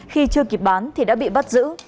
khi chưa kịp bán thì đã bị bắt giữ